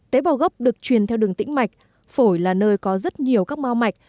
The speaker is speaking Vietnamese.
tế bào gốc được truyền theo đường tĩnh mạch phổi là nơi có rất nhiều các mau mạch